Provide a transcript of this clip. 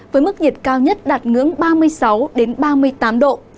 với mức nhiệt cao nhất đạt ngưỡng ba mươi sáu ba mươi tám độ